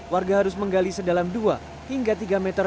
warga harus menggali sedalam dua hingga tiga meter